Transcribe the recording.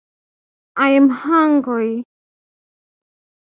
I am hungry!